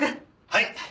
はい。